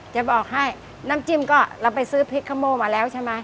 จะบอกให้น้ำจิ้มก็เราไปซื้อพริกข้าวโม่มาแล้วใช่ไหม